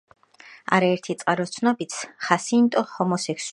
არაერთი წყაროს ცნობით, ხასინტო ჰომოსექსუალი იყო.